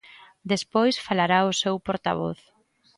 Despois falará o seu portavoz.